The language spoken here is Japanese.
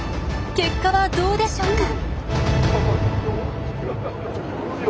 結果はどうでしょうか？